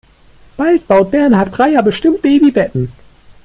Bald baut Bernhard Breyer bestimmt Babybetten.